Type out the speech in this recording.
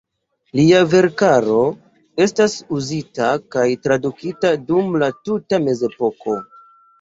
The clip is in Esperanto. Lia verkaro estis uzita kaj tradukita dum la tuta Mezepoko.